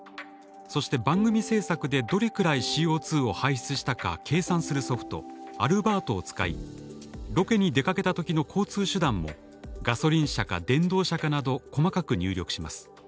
そして番組制作でどれくらいＣＯを排出したか計算するソフト「アルバート」を使いロケに出かけたときの交通手段もガソリン車か電動車かなど細かく入力します。